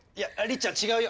っちゃん違うよ。